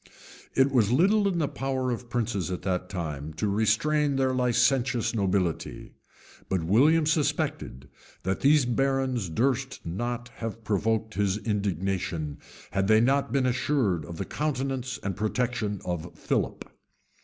{1087.} It was little in the power of princes at that time to restrain their licentious nobility; but William suspected, that these barons durst not have provoked his indignation, had they not been assured of the countenance and protection of Philip.